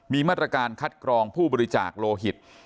มีมาตรการคัดกรองผู้บริจาคโลหิต